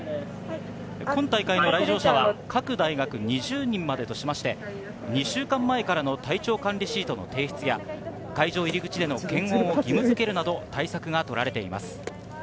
今大会の来場者は各大学２０人までとして、２週間前からの体調管理シートの提出や、会場入り口での検温を義務づけるなど、対策が取られています。